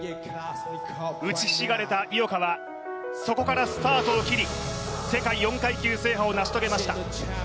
うちひしがれた井岡はそこからスタートを切り世界４階級制覇を成し遂げました。